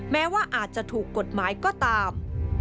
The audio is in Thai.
แม้ว่าอาจจะถูกกฎหมายก็ตาม